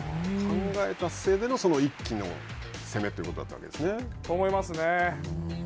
考えた末での一気の攻めということと思いますね。